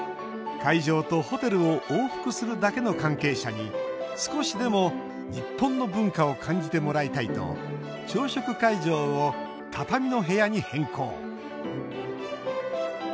会場とホテルを往復するだけの関係者に少しでも日本の文化を感じてもらいたいと朝食会場を畳の部屋に変更。